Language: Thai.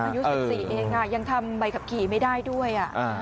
อายุ๑๔เองยังทำใบขับขี่ไม่ได้ด้วย